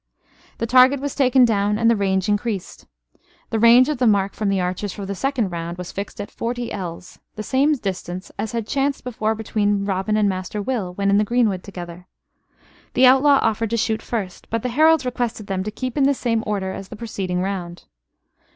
The target was taken down and the range increased. The range of the mark from the archers for the second round was fixed at forty ells the same distance as had chanced before between Robin and Master Will when in the greenwood together. The outlaw offered to shoot first; but the heralds requested them to keep in the same order as in the preceding round.